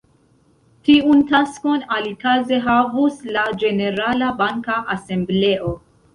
Tiun taskon alikaze havus la ĝenerala banka asembleo.